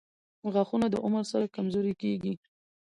• غاښونه د عمر سره کمزوري کیږي.